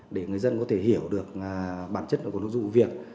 để người dân có thể hiểu được bản chất của nội dung vụ việc